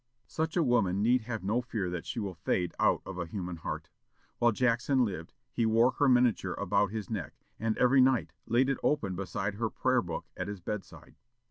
Such a woman need have no fear that she will fade out of a human heart. While Jackson lived, he wore her miniature about his neck, and every night laid it open beside her prayer book at his bedside.